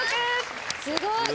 すごい。